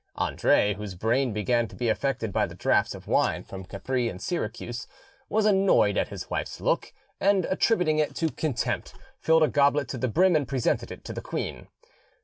Andre, whose brain began to be affected by the draughts of wine from Capri and Syracuse, was annoyed at his wife's look, and attributing it to contempt, filled a goblet to the brim and presented it to the queen.